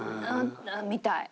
みたい。